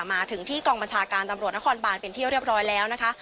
มาถึงที่กองบัญชาการตำรวจนครบานเป็นที่เรียบร้อยแล้วนะคะ